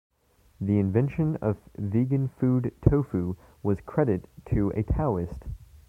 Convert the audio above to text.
The invention of vegan food Tofu was credit to a Taoist.